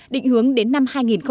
định hướng đến năm hai nghìn hai mươi